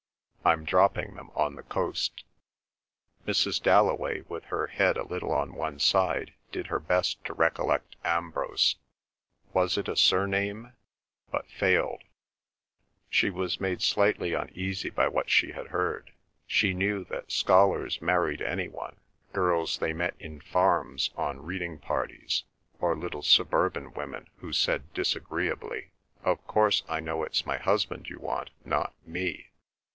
I'm dropping them on the coast." Mrs. Dalloway, with her head a little on one side, did her best to recollect Ambrose—was it a surname?—but failed. She was made slightly uneasy by what she had heard. She knew that scholars married any one—girls they met in farms on reading parties; or little suburban women who said disagreeably, "Of course I know it's my husband you want; not me."